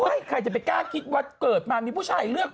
ใครจะไปกล้าคิดวัดเกิดมามีผู้ชายเลือก